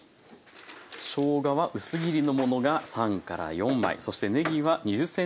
しょうがは薄切りのものが３４枚そしてねぎは２０ｃｍほど使います。